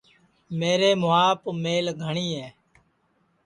میرے مُُوھاپ میل گھٹؔی ہے